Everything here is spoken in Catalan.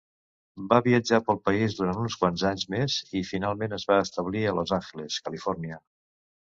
Va viatjar pel país durant uns quants anys més i, finalment, es va establir a Los Angeles, California.